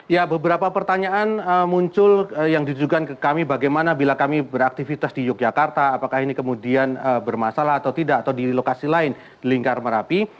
ya beberapa pertanyaan muncul yang ditujukan ke kami bagaimana bila kami beraktivitas di yogyakarta apakah ini kemudian bermasalah atau tidak atau di lokasi lain di lingkar merapi